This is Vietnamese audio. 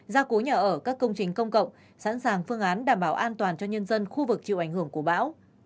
gia cố nhà ở các công trình công cộng sẵn sàng phương án đảm bảo an toàn cho nhân dân khu vực chịu ảnh hưởng của bão